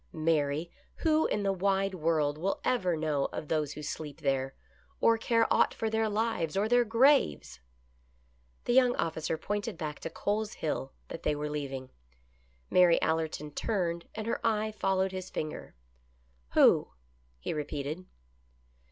Mary, who in the wide world will ever know of those who sleep there, or care aught for their lives or their graves ?" The young officer pointed back to Cole's Hill that they were leaving. Mary Allerton turned, and her eye followed his finger. " Who ?" he repeated.